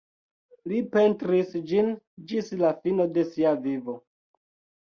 Li pentris ĝin ĝis la fino de sia vivo.